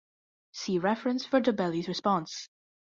See reference for Dobelli's response.